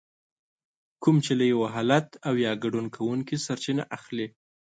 کوم چې له يو حالت او يا ګډون کوونکي سرچينه اخلي.